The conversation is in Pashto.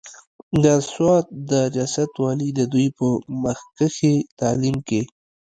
د سوات د رياست والي د دوي پۀ مخکښې تعليم کښې